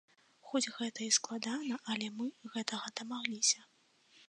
Хоць гэта і складана, але мы гэтага дамагліся.